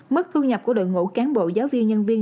mức thu nhập của đội ngũ cán bộ giáo viên nhân viên